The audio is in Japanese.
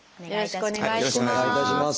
よろしくお願いします。